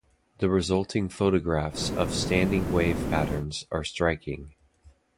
The resulting photographs of standing wave patterns are striking.